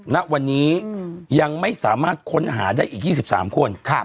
ณวันนี้ยังไม่สามารถค้นหาได้อีก๒๓คน